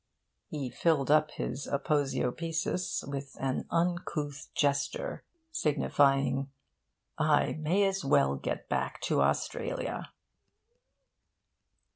He filled up his aposiopesis with an uncouth gesture, signifying 'I may as well get back to Australia.'